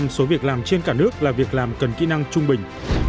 năm mươi ba số việc làm trên cả nước là việc làm cần kỹ năng trung bình